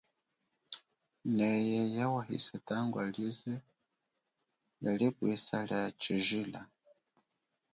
Neye yawahisa tangwa lize yalipwisa lia chijila.